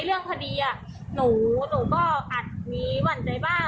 เรื่องคดีหนูก็อาจมีหวั่นใจบ้าง